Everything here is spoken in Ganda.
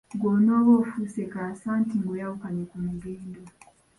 Ggwe onooba ofuuse" kaasa" anti ng'oyawukanye ku mugendo.